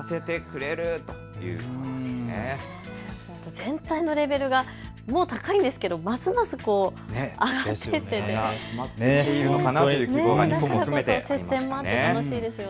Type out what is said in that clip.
全体のレベルが、もう高いんですけどますます上がって、接戦もあって楽しいですよね。